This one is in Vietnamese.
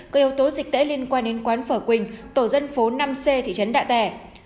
các yếu tố dịch tễ liên quan đến quán phở quỳnh tổ dân phố năm c thị trấn đạ tẻ